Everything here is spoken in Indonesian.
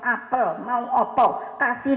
apel mau opo kasih